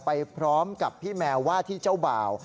ไปพร้อมกับพี่แมวว่าที่เจ้าบ่าว